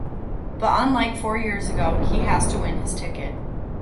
But unlike four years ago, he has to win his ticket.